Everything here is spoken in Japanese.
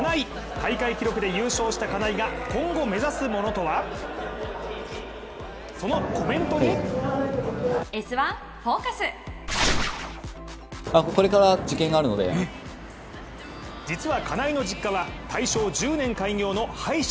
大会記録で優勝した金井が今後目指すものとはそのコメントに実は金井の実家は大正１０年開業の歯医者。